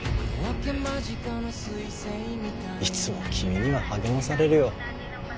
いつも君には励まされるよ